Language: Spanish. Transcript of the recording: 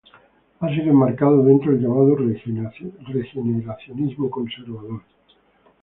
Ha sido enmarcado dentro del llamado regeneracionismo conservador.